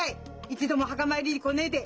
一度も墓参りに来ねえで。